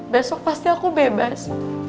besok pasti aku bebas